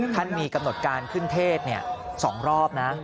ท่านมีกำหนดการขึ้นเทศ๒รอบนะ